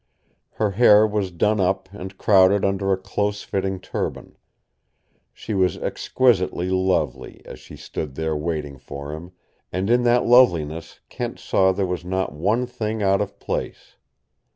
Her hair was done up and crowded under a close fitting turban. She was exquisitely lovely, as she stood there waiting for him, and in that loveliness Kent saw there was not one thing out of place.